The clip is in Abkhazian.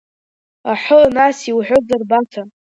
Аҳы, нас иуҳәозар, Баҭа.